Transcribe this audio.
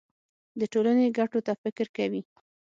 د ټولنې ګټو ته فکر کوي.